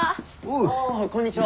ああこんにちは。